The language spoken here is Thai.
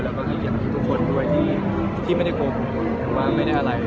แล้วก็ให้เกียรติทุกคนด้วยที่ไม่ได้คบว่าไม่ได้อะไร